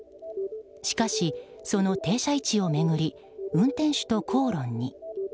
しかし、その停車位置を巡り運転手と口論に。